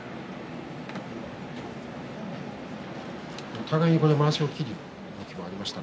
お互いにまわしを切る動きがありました。